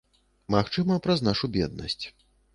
Магчыма, праз нашу беднасць.